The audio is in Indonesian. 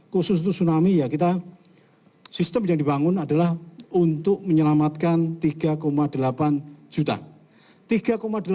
khusus untuk tsunami ya kita sistem yang dibangun adalah untuk menyelamatkan tiga delapan juta